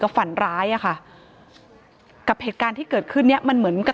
ฝันร้ายอ่ะค่ะกับเหตุการณ์ที่เกิดขึ้นเนี้ยมันเหมือนกับ